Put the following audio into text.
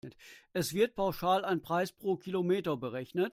Es wird pauschal ein Preis pro Kilometer berechnet.